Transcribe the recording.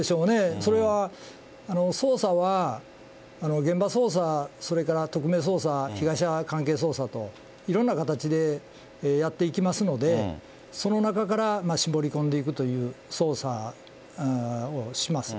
それは、捜査は現場捜査、それから特命捜査、被害者関係捜査と、いろんな形でやっていきますので、その中から絞り込んでいくという捜査をします。